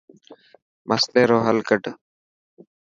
مصلي رو هل ڪڌ.